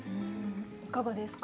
いかがですか？